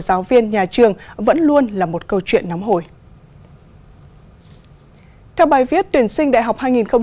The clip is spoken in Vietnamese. giáo viên nhà trường vẫn luôn là một câu chuyện nóng hổi theo bài viết tuyển sinh đại học hai nghìn hai mươi bốn